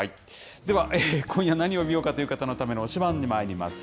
では、今夜何を見ようかという方のための推しバンにまいります。